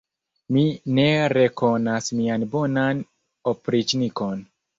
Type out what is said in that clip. Mi ne rekonas mian bonan opriĉnikon!